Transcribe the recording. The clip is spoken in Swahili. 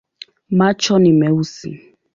Macho ni meusi.